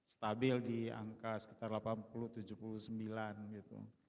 stabil di angka sekitar delapan puluh tujuh puluh sembilan gitu